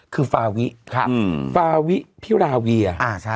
คือฟาวิฟาวิพิราเวีย